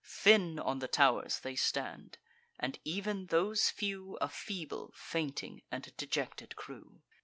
Thin on the tow'rs they stand; and ev'n those few A feeble, fainting, and dejected crew.